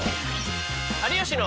「有吉の」。